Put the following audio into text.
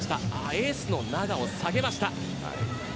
エースのナガを下げました。